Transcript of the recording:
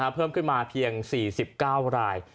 เพิ่มขึ้นมาเพียง๔๙ราย